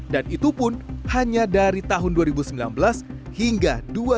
dan itu pun hanya dari tahun dua ribu sembilan belas hingga dua ribu dua puluh tiga